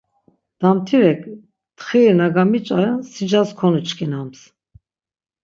Damtirek txiri na gamiç̌aren sicas konuçkinams.